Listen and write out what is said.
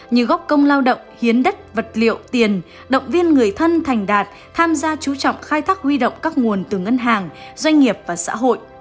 như góc công lao động hiến đất vật liệu tiền động viên người thân thành đạt tham gia chú trọng khai thác huy động các nguồn từ ngân hàng doanh nghiệp và xã hội